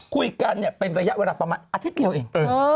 คุยกันเป็นระยะเวลาประมาณอเท็จเร็วเอง